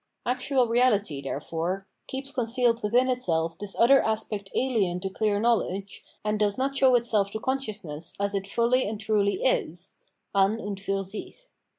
Actual reality, therefore, keeps concealed within itself this other aspect alien to clear knowledge, and does not show itself to consciousness as it fully and truly is {an md fur sick).